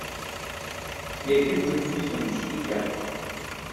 Les plus connus sont les silicates.